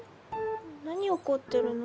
何怒ってるの？